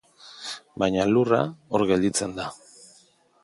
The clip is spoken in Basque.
Baina lurra, hor gelditzen da.